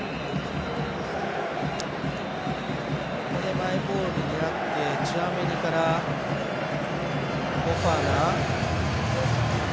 マイボールになってチュアメニからフォファナ。